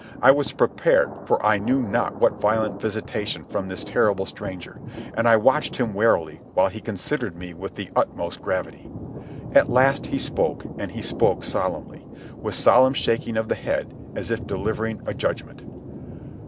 I was prepared for I knew not what violent visitation from this terrible stranger, and I watched him warily while he considered me with the utmost gravity. At last he spoke, and he spoke solemnly, with solemn shaking of the head, as if delivering a judgment.